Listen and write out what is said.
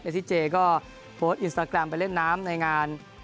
ซิเจก็โพสต์อินสตาแกรมไปเล่นน้ำในงาน